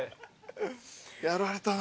やられたな。